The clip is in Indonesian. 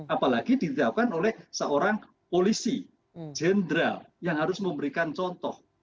apalagi ditetapkan oleh seorang polisi jenderal yang harus memberikan contoh